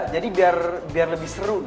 jadi biar lebih seru